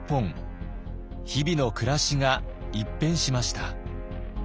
日々の暮らしが一変しました。